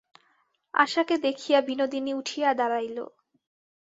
আশাকে দেখিয়া বিনোদিনী উঠিয়া দাঁড়াইল।